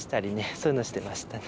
そういうのしてましたね。